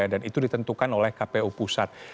dan itu ditentukan oleh kpu pusat